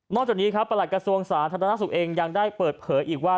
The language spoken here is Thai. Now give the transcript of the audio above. จากนี้ครับประหลัดกระทรวงสาธารณสุขเองยังได้เปิดเผยอีกว่า